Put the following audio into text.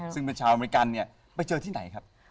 ซึ่งเป็นชาวอเมริกันเนี่ยไปเจอที่ไหนครับ